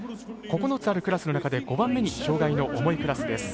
９つあるクラスの中で５番目に障がいの重いクラスです。